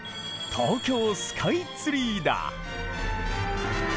東京スカイツリーだ。